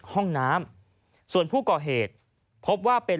พร้อมกับหยิบมือถือขึ้นไปแอบถ่ายเลย